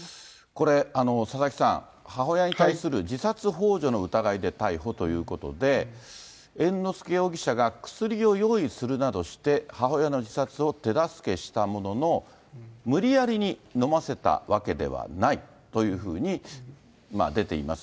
これ、佐々木さん、母親に対する自殺ほう助の疑いで逮捕ということで、猿之助容疑者が薬を用意するなどして、母親の自殺を手助けしたものの、無理やりに飲ませたわけではないというふうに出ています。